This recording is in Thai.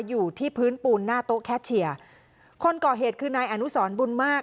อยู่ที่พื้นปูนหน้าโต๊ะแคชเชียร์คนก่อเหตุคือนายอนุสรบุญมาก